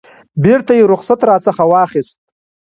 بیرته یې رخصت راڅخه واخیست.